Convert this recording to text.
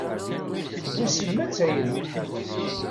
Wissen ma d tayri?